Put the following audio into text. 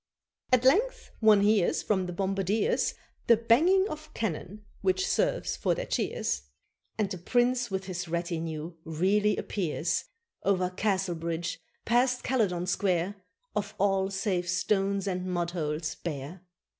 At length one hears, From the bombardiers, The banging of cannon, which serves for their cheers; And the Prince with his retinue really appears Over Castle bridge, past Caledon Square, Of all, save stones and mud holes, bare.